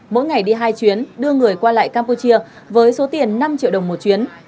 mỗi ngày đi hai chuyến đưa người qua lại campuchia với số tiền năm triệu đồng một chuyến